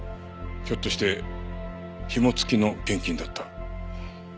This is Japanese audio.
ひょっとしてひも付きの献金だった？